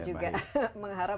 jalan simpan jaya baik